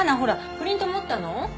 プリント持ったの？